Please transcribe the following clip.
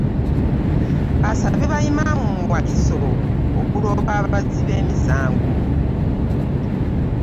Asabye ba Imaam mu Wakiso okuloopanga abazzi b'emisango.